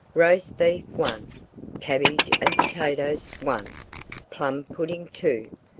"Roast beef, one! Cabbage and potatoes, one! Plum pudding, two!"